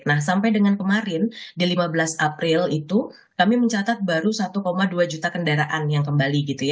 nah sampai dengan kemarin di lima belas april itu kami mencatat baru satu dua juta kendaraan yang kembali gitu ya